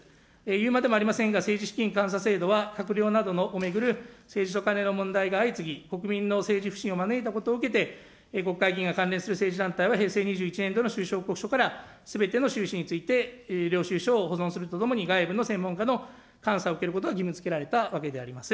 言うまでもありませんが、政治資金監査制度は閣僚などを巡る政治とカネの問題が相次ぎ、国民の政治不信を招いたことを受けて、国会議員が関連する政治団体は平成２１年度の収支報告書から、すべての収支について領収書を保存するとともに、外部の専門家の監査を受けることが義務づけられたわけであります。